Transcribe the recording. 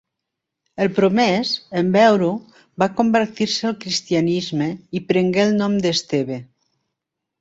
El promès, en veure-ho, va convertir-se al cristianisme i prengué el nom d'Esteve.